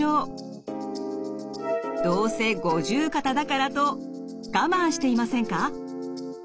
どうせ五十肩だからと我慢していませんか？